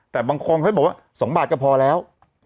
แต่บางคนเขาบอกว่า๒บาทก็พอแล้ว